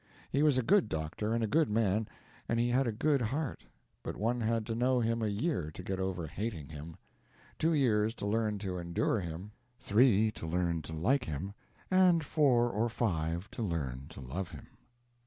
He was a good doctor and a good man, and he had a good heart, but one had to know him a year to get over hating him, two years to learn to endure him, three to learn to like him, and four and five to learn to love him.